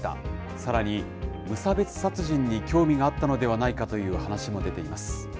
さらに、無差別殺人に興味があったのではないかという話も出ています。